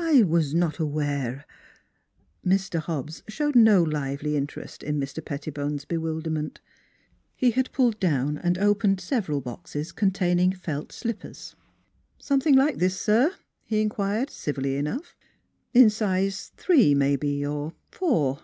I was not aware " Mr. Hobbs showed no lively interest in Mr. Pettibone's bewilderment. He had pulled down io8 NEIGHBORS and opened several boxes containing felt slippers. " Something like this, sir? " he inquired, civilly enough; " in size three maybe, or four."